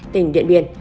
tỉnh điện biển